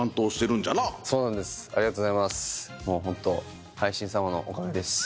もうホントハイ神さまのおかげです。